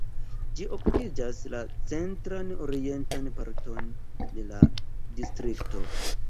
Ĝi okupas la centran orientan parton de la distrikto.